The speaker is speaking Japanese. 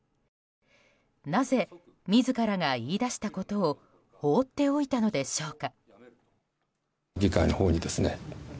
なぜ自らが言い出したことを放っておいたのでしょうか。